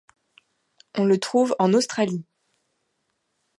On le trouve en Australie.